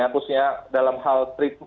khususnya dalam hal tiga